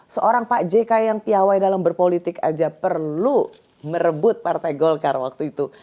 seorang pak jk yang piawai dalam berpolitik aja perlu merebut partai golkar waktu itu